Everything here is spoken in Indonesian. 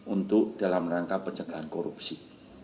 untuk dalam rangka pencegahan korupsi